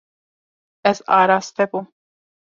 Ez araste bûm.